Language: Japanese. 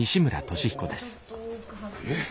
☎えっ？